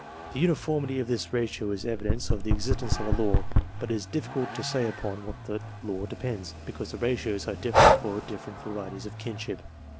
The uniformity of this ratio is evidence of the existence of a law, but it is difficult to say upon what that law depends, because the ratios are different for different varieties of kinship.